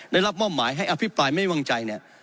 ได้รับมอบหมายให้อภิปรายไม่วางใจเนี่ย